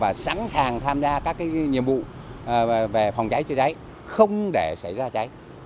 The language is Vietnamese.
và sẵn sàng tham gia các nhiệm vụ về phòng cháy chữa cháy không để xảy ra cháy